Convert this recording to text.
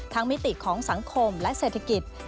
มิติของสังคมและเศรษฐกิจ